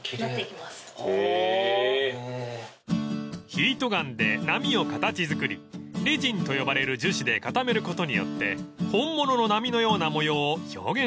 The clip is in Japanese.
［ヒートガンで波を形作りレジンと呼ばれる樹脂で固めることによって本物の波のような模様を表現しているんですって］